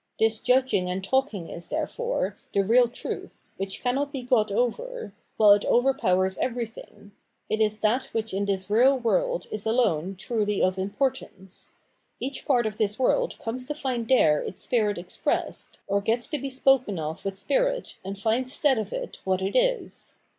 This judging and talking is, therefore, the real truth, which cannot be got over, while it over powers everything — it is that which in this real world is alone truly of importance. Each part of this world comes to find there its spirit expressed, or gets to be spoken of with spirit and finds said of it what it is.